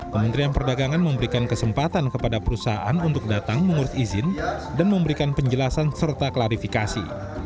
kementerian perdagangan memberikan kesempatan kepada perusahaan untuk datang mengurus izin dan memberikan penjelasan serta klarifikasi